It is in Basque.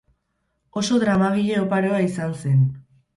Oso dramagile oparoa izan zen.